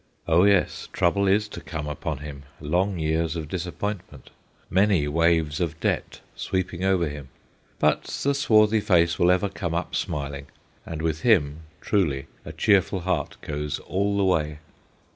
Oh yes. trouble is to come upon him, long years of disappointment, many waves of debt sweeping over him. But the swarthy face will ever come up smiling, and with him, truly, a cheerful heart goes all the way.